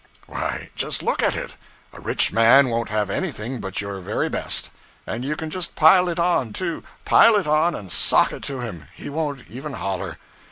'Why, just look at it. A rich man won't have anything but your very best; and you can just pile it on, too pile it on and sock it to him he won't ever holler.